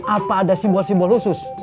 apa ada simbol simbol khusus